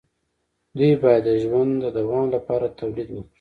دوی باید د ژوند د دوام لپاره تولید وکړي.